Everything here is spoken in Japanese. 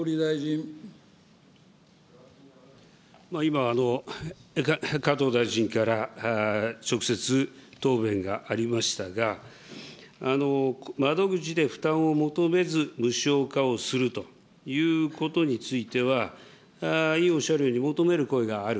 今、加藤大臣から直接答弁がありましたが、窓口で負担を求めず無償化をするということについては、委員おっしゃるように、求める声がある。